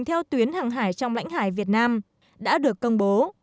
theo tuyến hàng hải trong lãnh hải việt nam đã được công bố